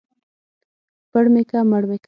پړ مى که مړ مى که.